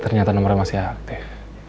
ternyata nomornya masih aktif